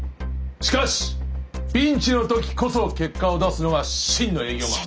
しかしピンチの時こそ結果を出すのが真の営業マンだ。